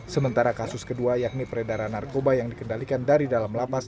sementara kasus kedua yakni peredaran narkoba yang dikendalikan dari dalam lapas